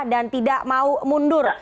dan tidak mau mundur